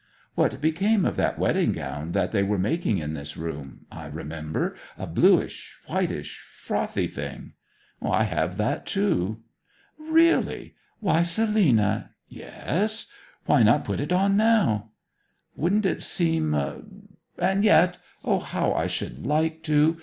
What became of that wedding gown that they were making in this room, I remember a bluish, whitish, frothy thing?' 'I have that too.' 'Really! ... Why, Selina ' 'Yes!' 'Why not put it on now?' 'Wouldn't it seem . And yet, O how I should like to!